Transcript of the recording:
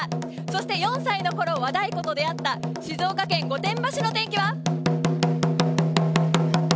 そして、４歳のころ和太鼓と出会った静岡県御殿場市の天気は。